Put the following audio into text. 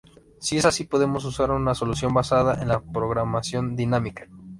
Si es así, podemos usar una solución basada en la programación dinámica.